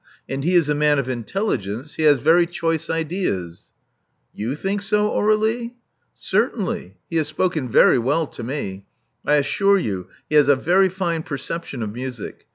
And he is a man of intelligence. He has very choice ideas." ''You think so, Aur^lie!" Certainly. He has spoken very well to me. I assure you he has a very fine perception of music.